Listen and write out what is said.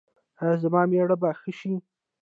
ایا زما میړه به ښه شي؟